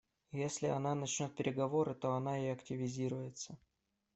И если она начнет переговоры, то она и активизируется.